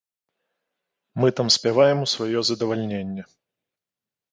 Мы там спяваем у сваё задавальненне.